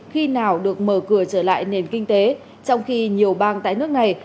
khi nào được mở cửa trở lại nền kinh tế trong khi nhiều bang tại nước này